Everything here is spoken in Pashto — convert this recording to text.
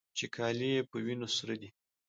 چې کالي يې په وينو سره دي.